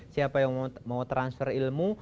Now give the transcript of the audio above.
siapa yang mau transfer ilmu